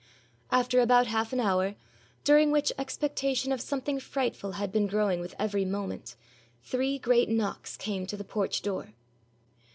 After about half an hour, during which expectation of something frightful had been growing with every moment, three great knocks came to the porch door.